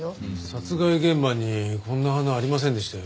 殺害現場にこんな花ありませんでしたよね。